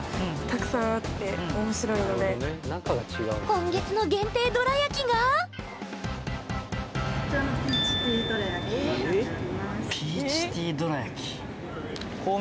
今月の限定どら焼きがこちらのピーチティーどら焼き。